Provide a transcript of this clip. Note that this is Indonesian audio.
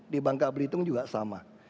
di bangka belitung juga sama